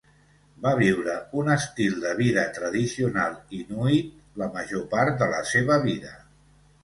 Va viure un estil de vida tradicional Inuit la major part de la seva vida.